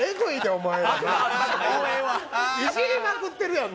イジりまくってるやん。